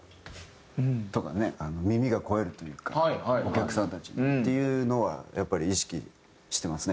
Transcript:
耳が肥えるというかお客さんたちもっていうのはやっぱり意識してますね。